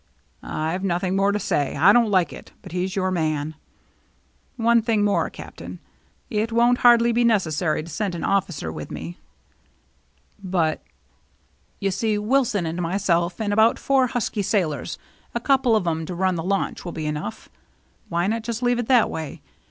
" I've nothing more to say. I don't like it ; but he's your man." " One thing more. Captain. It won't hardly be necessary to send an officer with me." "But —"" You see Wilson and myself, and about four husky sailors, a couple of 'em to run the launch, will be enough. Why not just leave it that way